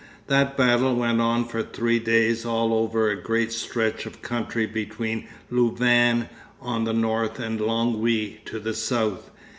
That battle went on for three days all over a great stretch of country between Louvain on the north and Longwy to the south.